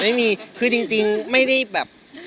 ไม่มีคือจริงไม่ได้แบบ